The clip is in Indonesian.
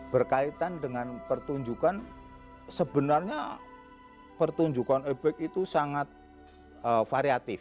berkaitan dengan pertunjukan sebenarnya pertunjukan ebek itu sangat variatif